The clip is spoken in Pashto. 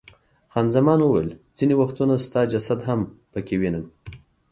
خان زمان وویل، ځیني وختونه ستا جسد هم پکې وینم.